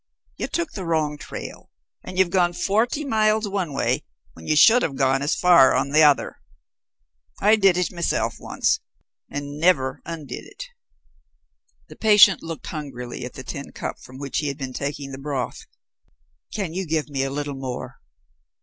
You took the wrong trail and you've gone forty miles one way when you should have gone as far on the other. I did it myself once, and never undid it." The patient looked hungrily at the tin cup from which he had been taking the broth. "Can you give me a little more?"